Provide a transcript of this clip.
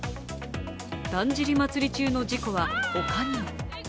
だんじり祭中の事故は他にも。